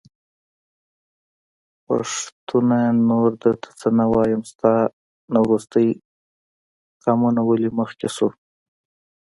پښتونه نور درته څه نه وايم.. ستا نه وروستی قامونه ولي مخکې شو نه